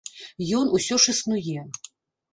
Ён усё ж існуе.